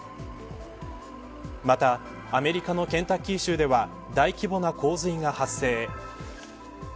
また、アメリカのケンタッキー州では大規模な洪水が発生。